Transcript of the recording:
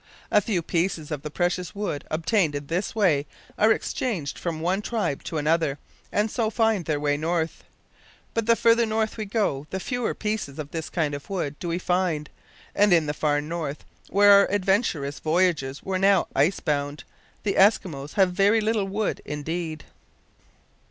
A few pieces of the precious wood obtained in this way are exchanged from one tribe to another, and so find their way north. But the further north we go the fewer pieces of this kind of wood do we find; and in the far north, where our adventurous voyagers were now ice bound, the Eskimos have very little wood, indeed.